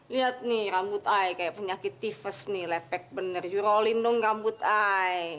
liat nih rambut ay kayak penyakit tifes nih lepek bener you rollin dong rambut ay